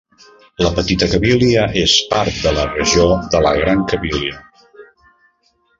La Petita Cabilia és part de la regió de la Gran Cabilia.